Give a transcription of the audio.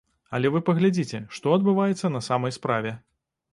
Але вы паглядзіце, што адбываецца на самай справе.